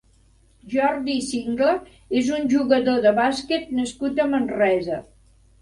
Jordi Singla és un jugador de bàsquet nascut a Manresa.